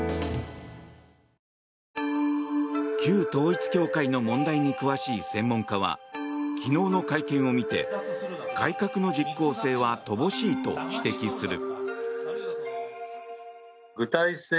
旧統一教会の問題に詳しい専門家は昨日の会見を見て改革の実効性は乏しいと指摘する。